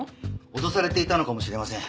脅されていたのかもしれません。